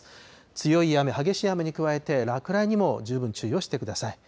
強い雨、激しい雨に加えて、落雷にも十分注意をしてください。